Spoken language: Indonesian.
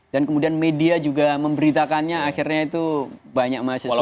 dan kemudian media juga memberitakannya akhirnya itu banyak mahasiswa yang